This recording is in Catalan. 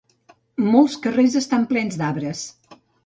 Molts carrers estan plens d'arbres.